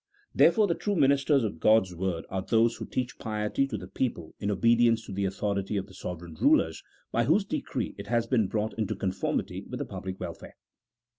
Therefore the true ministers of G od's word are those who teach piety to the people in obedience to the authority of the sovereign rulers by whose decree it has been brought into conformity with the public welfare.